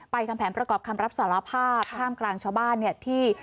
ทำแผนประกอบคำรับสารภาพท่ามกลางชาวบ้านเนี่ยที่